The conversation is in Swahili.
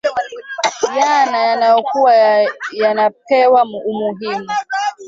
yana yanakua yanapewa umuhimu